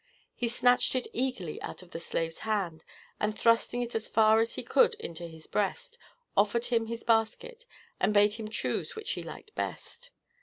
He snatched it eagerly out of the slave's hand, and, thrusting it as far as he could into his breast, offered him his basket, and bade him choose which he liked best.